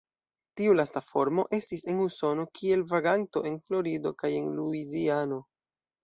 Tiu lasta formo estis en Usono kiel vaganto en Florido kaj en Luiziano.